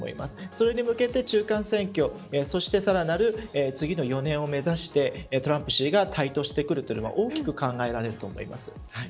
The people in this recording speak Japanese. それに向けて中間選挙そして、さらなる次の４年を目指してトランプ氏が台頭するというのは大きく考えられると思います。